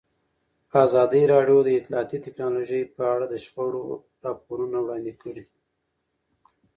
ازادي راډیو د اطلاعاتی تکنالوژي په اړه د شخړو راپورونه وړاندې کړي.